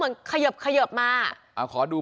แซ็คเอ้ยเป็นยังไงไม่รอดแน่